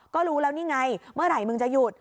ก็รู้แล้วนี่ไงเมื่อไหร่มึงจะหยุด